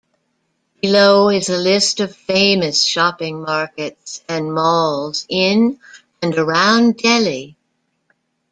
Below is a list of famous shopping markets and malls in and around Delhi.